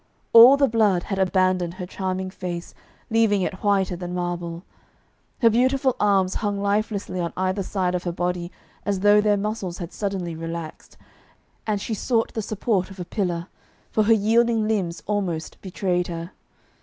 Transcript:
All the blood had abandoned her charming face, leaving it whiter than marble; her beautiful arms hung lifelessly on either side of her body as though their muscles had suddenly relaxed, and she sought the support of a pillar, for her yielding limbs almost betrayed her.